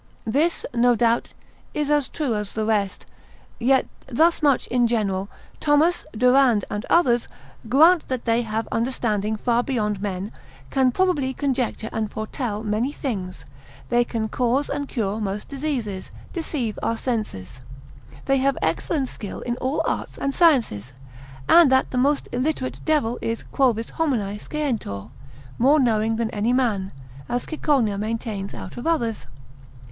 This, no doubt, is as true as the rest; yet thus much in general. Thomas, Durand, and others, grant that they have understanding far beyond men, can probably conjecture and foretell many things; they can cause and cure most diseases, deceive our senses; they have excellent skill in all Arts and Sciences; and that the most illiterate devil is Quovis homine scientior (more knowing than any man), as Cicogna maintains out of others.